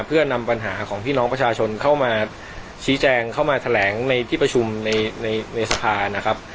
เพื่อนำปัญหาของพี่น้องประชาชนเข้ามาชี้แจงเข้ามาแถลงในที่ประชุมในในสภานะครับ